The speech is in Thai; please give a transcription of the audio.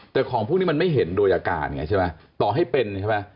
แต่ของพวกนี้มันไม่เห็นโดยอาการไงใช่ไหมต่อให้เป็นใช่ไหม